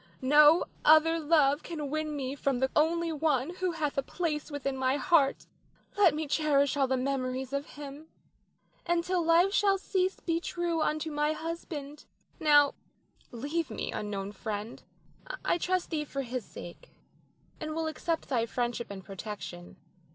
No other love can win me from the only one who hath a place within my heart. Let me cherish all the memories of him, and till life shall cease be true unto my husband. Now leave me, unknown friend; I trust thee for his sake, and will accept thy friendship and protection.